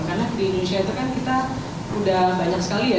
karena di indonesia itu kan kita sudah banyak sekali ya